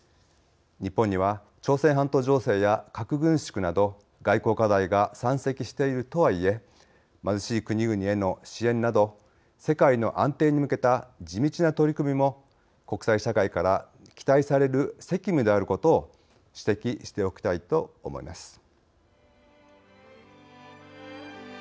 日本には、朝鮮半島情勢や核軍縮など外交課題が山積しているとはいえ貧しい国々への支援など世界の安定に向けた地道な取り組みも国際社会から期待される責務であることを指摘しておきたいと思います。